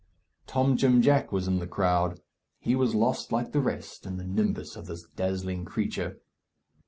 Tom Jim Jack was in the crowd. He was lost like the rest in the nimbus of this dazzling creature.